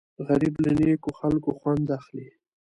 غریب له نیکو خلکو خوند اخلي